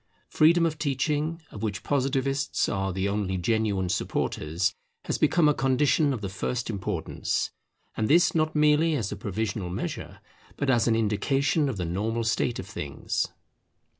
Freedom of teaching, of which Positivists are the only genuine supporters, has become a condition of the first importance: and this not merely as a provisional measure, but as an indication of the normal state of things.